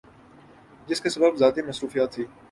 جس کا سبب ذاتی مصروفیت تھی ۔